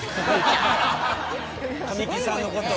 神木さんのことを。